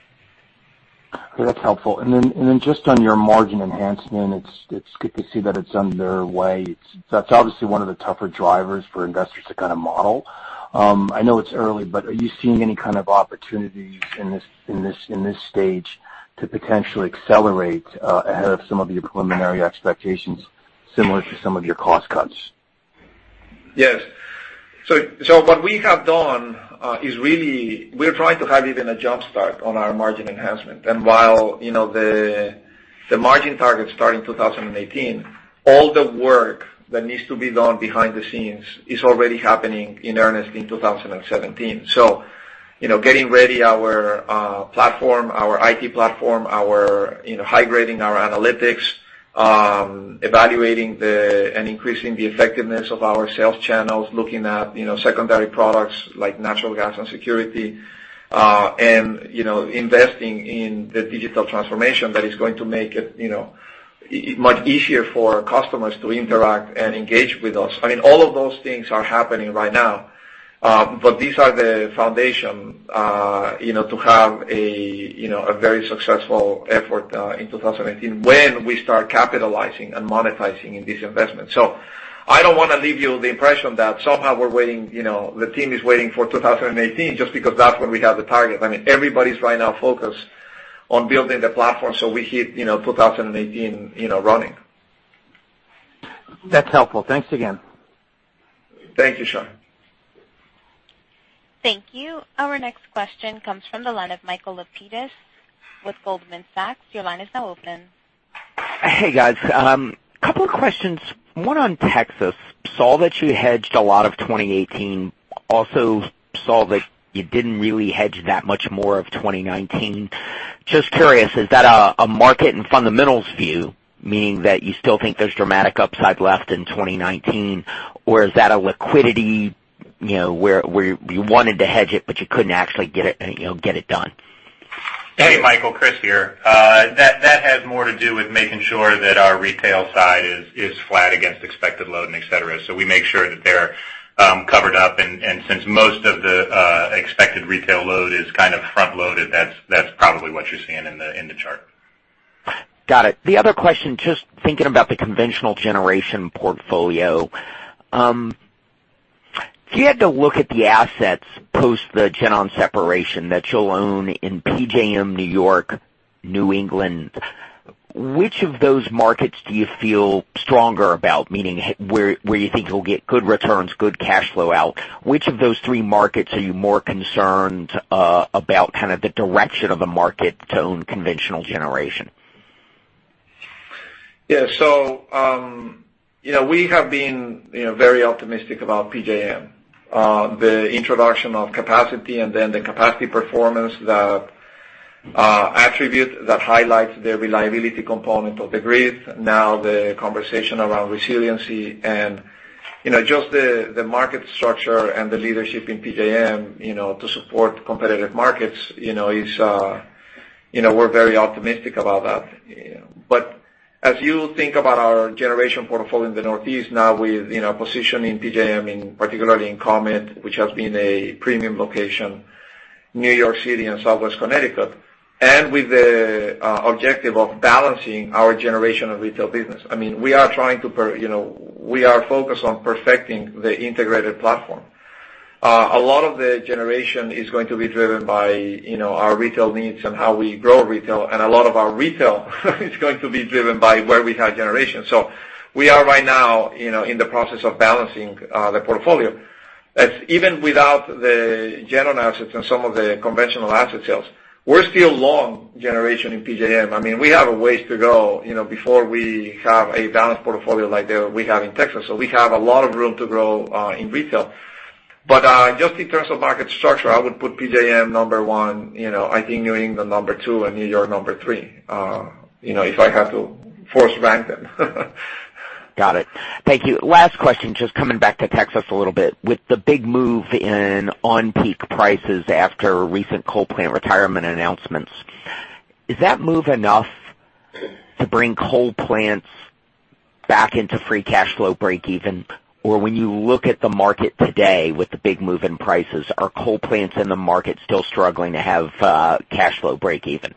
That's helpful. Then just on your margin enhancement, it's good to see that it's underway. That's obviously one of the tougher drivers for investors to kind of model. I know it's early, are you seeing any kind of opportunities in this stage to potentially accelerate ahead of some of your preliminary expectations, similar to some of your cost cuts? Yes. What we have done is really we're trying to have even a jumpstart on our margin enhancement. While the margin targets start in 2018, all the work that needs to be done behind the scenes is already happening in earnest in 2017. Getting ready our platform, our IT platform, high grading our analytics, evaluating and increasing the effectiveness of our sales channels, looking at secondary products like natural gas and security, and investing in the digital transformation that is going to make it much easier for customers to interact and engage with us. I mean, all of those things are happening right now. These are the foundation to have a very successful effort, in 2018 when we start capitalizing and monetizing in these investments. I don't want to leave you the impression that somehow the team is waiting for 2018 just because that's when we have the target. I mean, everybody's right now focused on building the platform so we hit 2018 running. That's helpful. Thanks again. Thank you, Shar. Thank you. Our next question comes from the line of Michael Lapides with Goldman Sachs. Your line is now open. Hey, guys. Couple of questions. One on Texas. Saw that you hedged a lot of 2018. Saw that you didn't really hedge that much more of 2019. Just curious, is that a market and fundamentals view, meaning that you still think there's dramatic upside left in 2019? Or is that a liquidity where you wanted to hedge it, but you couldn't actually get it done? Hey, Michael, Chris here. That had more to do with making sure that our retail side is flat against expected load and et cetera. We make sure that they're covered up, and since most of the expected retail load is kind of front-loaded, that's probably what you're seeing in the chart. Got it. The other question, just thinking about the conventional generation portfolio. If you had to look at the assets post the GenOn separation that you'll own in PJM New York, New England, which of those markets do you feel stronger about? Meaning where you think you'll get good returns, good cash flow out. Which of those three markets are you more concerned about kind of the direction of the market to own conventional generation? Yeah. We have been very optimistic about PJM. The introduction of capacity and then the capacity performance, the attribute that highlights the reliability component of the grid. Now the conversation around resiliency and just the market structure and the leadership in PJM to support competitive markets, we're very optimistic about that. As you think about our generation portfolio in the Northeast now with a position in PJM, in particularly in ComEd, which has been a premium location, New York City and Southwest Connecticut. With the objective of balancing our generation of retail business. I mean, we are focused on perfecting the integrated platform. A lot of the generation is going to be driven by our retail needs and how we grow retail, and a lot of our retail is going to be driven by where we have generation. We are right now in the process of balancing the portfolio. Even without the GenOn assets and some of the conventional asset sales, we're still long generation in PJM. I mean, we have a ways to go before we have a balanced portfolio like we have in Texas. We have a lot of room to grow in retail. Just in terms of market structure, I would put PJM number 1, I think New England number 2, and New York number 3. If I have to force rank them. Got it. Thank you. Last question, just coming back to Texas a little bit. With the big move in on-peak prices after recent coal plant retirement announcements, is that move enough to bring coal plants back into free cash flow breakeven? Or when you look at the market today with the big move in prices, are coal plants in the market still struggling to have cash flow breakeven?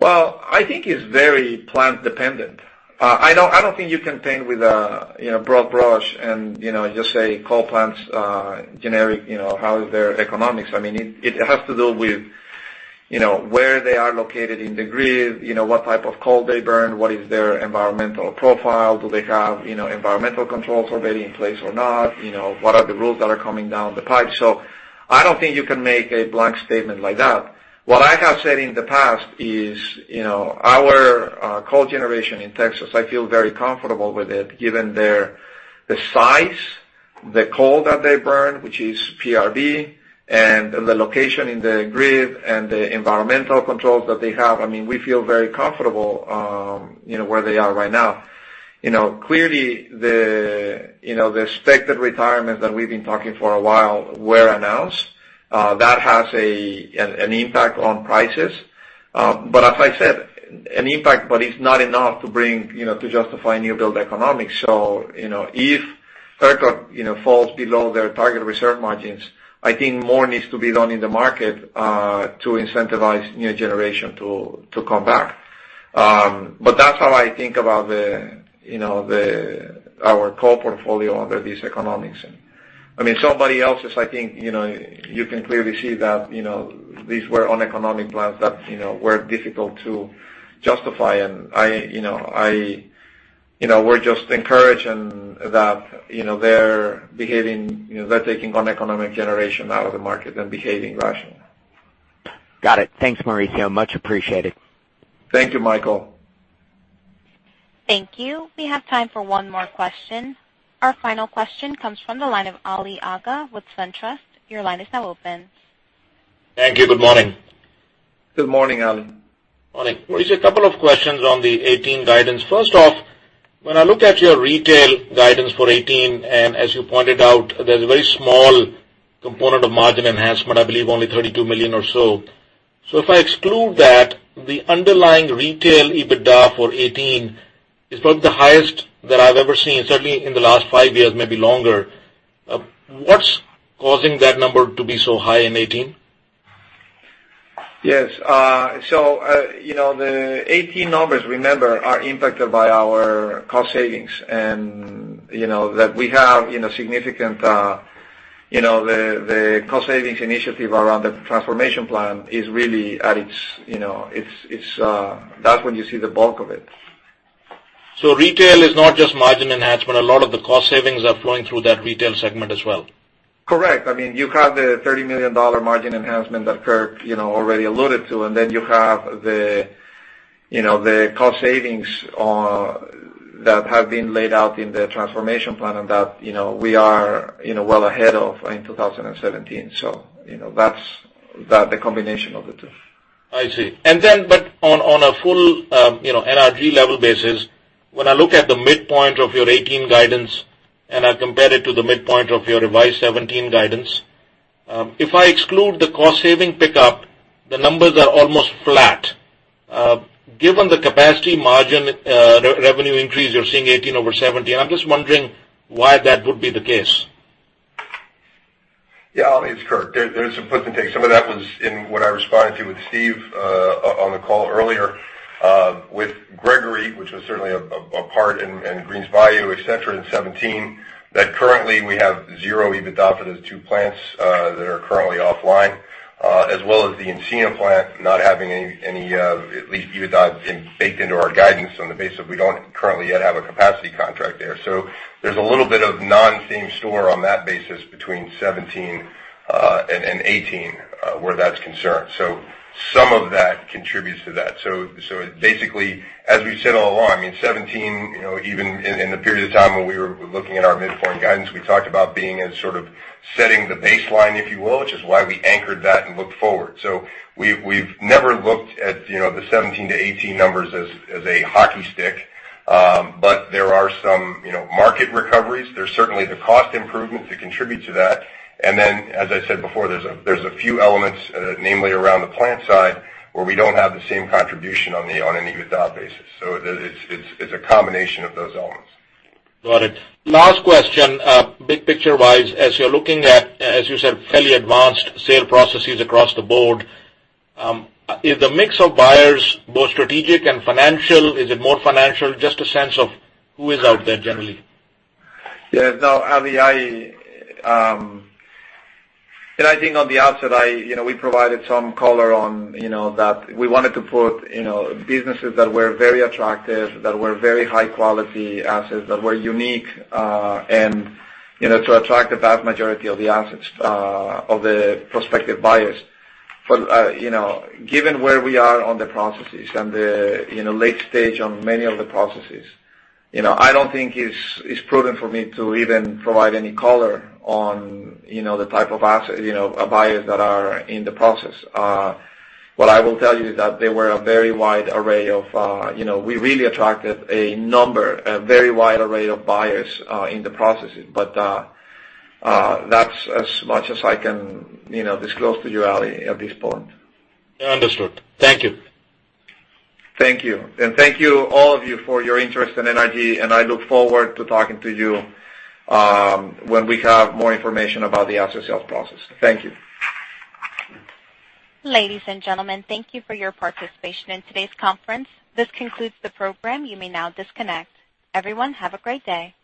Well, I think it's very plant dependent. I don't think you can paint with a broad brush and just say coal plants, generic, how is their economics? I mean, it has to do with where they are located in the grid, what type of coal they burn, what is their environmental profile, do they have environmental controls already in place or not? What are the rules that are coming down the pipe? I don't think you can make a blank statement like that. What I have said in the past is our coal generation in Texas, I feel very comfortable with it given the size, the coal that they burn, which is PRB, and the location in the grid, and the environmental controls that they have. I mean, we feel very comfortable where they are right now. Clearly the expected retirement that we've been talking for a while were announced. That has an impact on prices. As I said, an impact but it's not enough to justify new build economics. If ERCOT falls below their target reserve margins, I think more needs to be done in the market to incentivize new generation to come back. That's how I think about our coal portfolio under these economics. Somebody else's, I think, you can clearly see that these were uneconomic plants that were difficult to justify. We're just encouraged that they're taking uneconomic generation out of the market and behaving rationally. Got it. Thanks, Mauricio. Much appreciated. Thank you, Michael. Thank you. We have time for one more question. Our final question comes from the line of Ali Agha with SunTrust. Your line is now open. Thank you. Good morning. Good morning, Ali. Morning. Mauricio, a couple of questions on the 2018 guidance. First off, when I look at your retail guidance for 2018, and as you pointed out, there's a very small component of margin enhancement, I believe only $32 million or so. If I exclude that, the underlying retail EBITDA for 2018 is probably the highest that I've ever seen, certainly in the last five years, maybe longer. What's causing that number to be so high in 2018? Yes. The 2018 numbers, remember, are impacted by our cost savings and that we have the cost savings initiative around the transformation plan is really that's when you see the bulk of it. Retail is not just margin enhancement. A lot of the cost savings are flowing through that retail segment as well. Correct. You have the $30 million margin enhancement that Kirk already alluded to. You have the cost savings that have been laid out in the transformation plan and that we are well ahead of in 2017. That's the combination of the two. I see. On a full NRG level basis, when I look at the midpoint of your 2018 guidance and I compare it to the midpoint of your revised 2017 guidance, if I exclude the cost saving pickup, the numbers are almost flat. Given the capacity margin revenue increase you're seeing 2018 over 2017, I'm just wondering why that would be the case. Yeah, Ali, it's Kirk. There's some puts and takes. Some of that was in what I responded to with Steve on the call earlier. With Gregory, which was certainly a part, and Greens Bayou, et cetera, in 2017, that currently we have zero EBITDA for those two plants that are currently offline, as well as the Encina plant not having any, at least EBITDA baked into our guidance on the basis we don't currently yet have a capacity contract there. There's a little bit of non-same store on that basis between 2017 and 2018, where that's concerned. Some of that contributes to that. As we've said all along, in 2017, even in the period of time when we were looking at our midpoint guidance, we talked about being as sort of setting the baseline, if you will. Which is why we anchored that and looked forward. We've never looked at the 2017 to 2018 numbers as a hockey stick. There are some market recoveries. There's certainly the cost improvement to contribute to that. As I said before, there's a few elements, namely around the plant side, where we don't have the same contribution on an EBITDA basis. It's a combination of those elements. Got it. Last question. Big picture-wise, as you're looking at, as you said, fairly advanced sale processes across the board, is the mix of buyers both strategic and financial? Is it more financial? Just a sense of who is out there generally. Yeah. No, Ali, I think on the outset, we provided some color on that. We wanted to put businesses that were very attractive, that were very high-quality assets, that were unique, and to attract the vast majority of the assets of the prospective buyers. Given where we are on the processes and the late stage on many of the processes, I don't think it's prudent for me to even provide any color on the type of buyers that are in the process. What I will tell you is that we really attracted a number, a very wide array of buyers in the processes. That's as much as I can disclose to you, Ali, at this point. Understood. Thank you. Thank you. Thank you, all of you, for your interest in NRG, I look forward to talking to you when we have more information about the asset sale process. Thank you. Ladies and gentlemen, thank you for your participation in today's conference. This concludes the program. You may now disconnect. Everyone, have a great day.